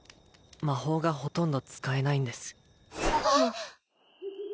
魔法がほとんど使えないんですえっ！？